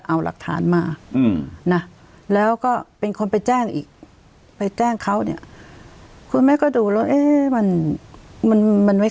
เอาหลักฐานมานะแล้วก็เป็นคนไปแจ้งอีกไปแจ้งเขาเนี่ยคุณแม่ก็ดูแล้วเอ๊ะมันมันไม่